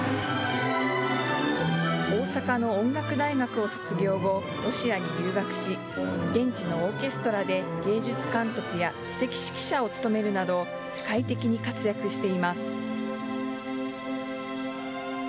大阪の音楽大学を卒業後、ロシアに留学し現地のオーケストラで芸術監督や首席指揮者を務めるなど世界的に活躍しています。